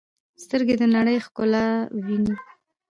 سترګې د نړۍ ښکلا ویني.